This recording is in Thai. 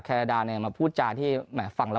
ราดาเนี่ยมาพูดจาที่แห่ฟังแล้ว